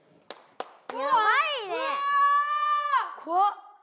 こわっ。